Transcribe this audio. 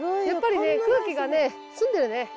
やっぱりね空気が澄んでるね。